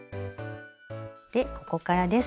でここからです。